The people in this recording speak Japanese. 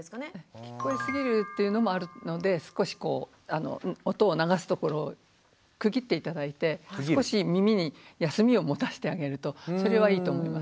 聞こえすぎるっていうのもあるので少し音を流すところ区切って頂いて少し耳に休みをもたしてあげるとそれはいいと思います。